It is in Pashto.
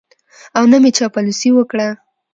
او نه مې چاپلوسي وکړه.